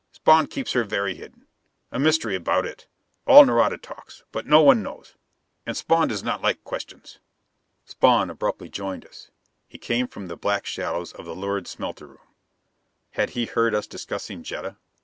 Spawn keeps her very hidden. A mystery about it: all Nareda talks, but no one knows; and Spawn does not like questions." Spawn abruptly joined us! He came from the black shadows of the lurid smelter room. Had he heard us discussing Jetta?